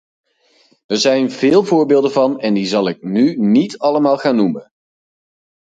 Er zijn veel voorbeelden van, en die zal ik nu niet allemaal gaan noemen.